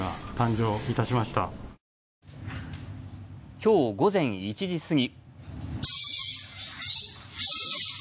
きょう午前１時過ぎ。